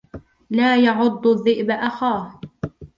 لا يعض الذئب أخاه.